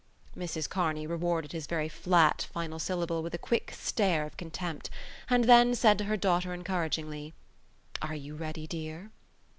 Mrs Kearney rewarded his very flat final syllable with a quick stare of contempt, and then said to her daughter encouragingly: "Are you ready, dear?"